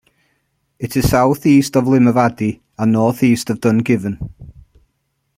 It is southeast of Limavady and northeast of Dungiven.